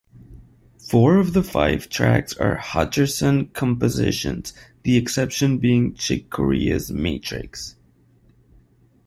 Four of the five tracks are Hutcherson compositions, the exception being Chick Corea's "Matrix".